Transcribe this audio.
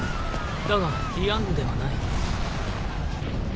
だがディアンヌではない。